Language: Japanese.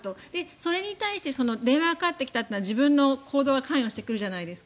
それに対して電話がかかってきたというのは自分の口座が関与してくるじゃないですか。